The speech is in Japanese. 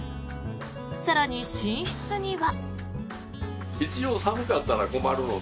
更に、寝室には。